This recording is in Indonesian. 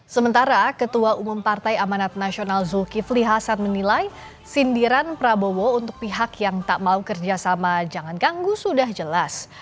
sementara ketua umum partai amanat nasional zulkifli hasan menilai sindiran prabowo untuk pihak yang tak mau kerjasama jangan ganggu sudah jelas